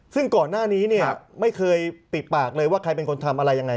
ซึ่งก่อนหน้านี้เนี่ยไม่เคยปิดปากเลยว่าใครเป็นคนทำอะไรยังไง